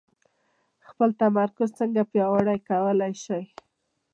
خپل تمرکز څنګه پياوړی کولای شئ؟